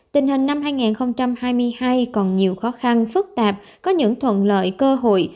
tình hình năm hai nghìn hai mươi hai còn nhiều khó khăn phức tạp có những thuận lợi cơ hội